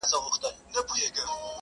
له کلونو یې پر څنډو اوسېدلی -